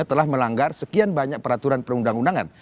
telah melanggar sekian banyak peraturan perundang undangan